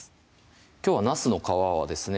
きょうはなすの皮はですね